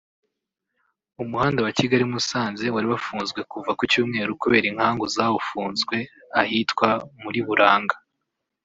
Umuhanda wa Kigali – Musanze wari warafunzwe kuva ku Cyumweru kubera inkangu zawufuzwe ahitwa muri Buranga